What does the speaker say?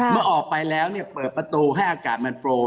เมื่อออกไปแล้วเปิดประตูให้อากาศมันโปร